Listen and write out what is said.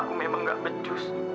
aku memang gak becus